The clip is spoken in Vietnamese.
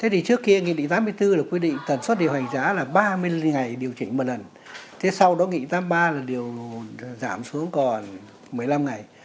trước kia nghị định tám mươi bốn quy định tần suất điều hành giá là ba mươi ngày điều chỉnh một lần sau đó nghị định tám mươi ba giảm xuống còn một mươi năm ngày